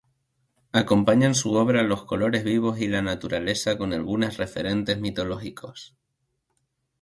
Acompañan su obra los colores vivos y la naturaleza con algunas referentes mitológicos.